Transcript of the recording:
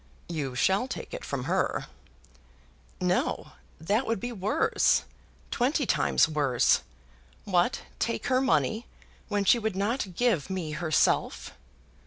"You shall take it from her!" "No; that would be worse; twenty times worse. What! take her money, when she would not give me herself!"